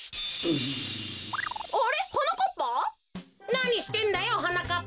なにしてんだよはなかっぱ。